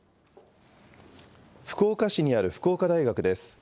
福岡市にある福岡大学です。